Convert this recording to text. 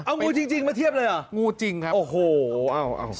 เอางูจริงมาเทียบเลยหรองูจริงครับ